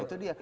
nah itu dia